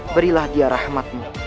berilah dia rahmatmu